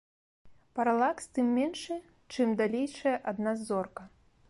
Паралакс тым меншы, чым далейшая ад нас зорка.